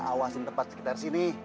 aku asin tempat sekitar sini